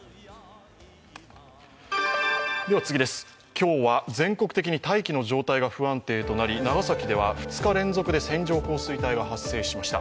今日は全国的に大気の状態が不安定となり長崎では２日連続で線状降水帯が発生しました。